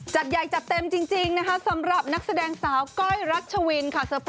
จัดใหญ่จัดเต็มจริงนะคะสำหรับนักแสดงสาวก้อยรัชวินค่ะ